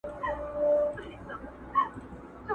ستړي به پېړۍ سي چي به بیا راځي اوبه ورته٫